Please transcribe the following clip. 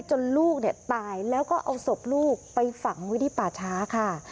ลูกตายแล้วก็เอาศพลูกไปฝังไว้ที่ป่าช้าค่ะ